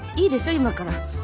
今から。